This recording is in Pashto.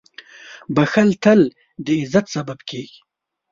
• بښل تل د عزت سبب کېږي.